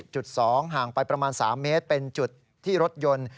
จุด๒ห่างไปประมาณ๓เมตรเป็นจุดที่รถยนต์